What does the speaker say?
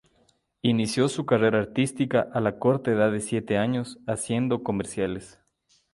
Inició su carrera artística a la corta edad de siete años haciendo comerciales.